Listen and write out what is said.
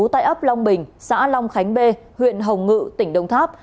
tại ấp long bình xã long khánh bê huyện hồng ngự tỉnh đồng tháp